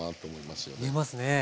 見えますね。